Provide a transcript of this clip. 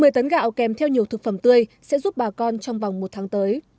một mươi tấn gạo kèm theo nhiều thực phẩm tươi sẽ giúp bà con trong vòng một tháng tới